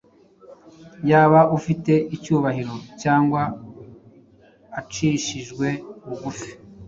yaba afite icyubahiro cyangwa acishijwe bugufi,